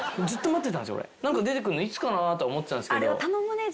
何か出てくんのいつかなと思ってたんですけど。